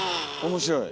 面白い。